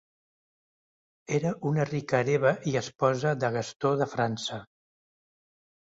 Era una rica hereva i esposa de Gastó de França.